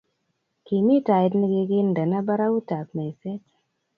kimiten tait nigikindeno barautab meset